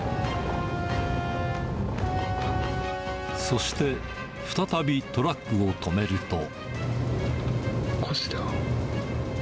そして、再びトラックを止め古紙だ。